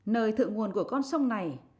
nơi thự nguồn của con sông này